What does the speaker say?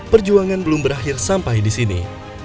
perjuangan belum berahir sampai disini